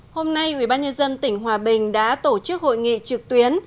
hôm nay ủy ban nhân dân tỉnh hòa bình đã tổ chức hội nghị trực tuyến